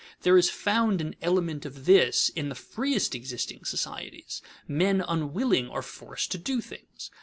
There is found an element of this in the freest existing societies; men unwilling are forced to do things.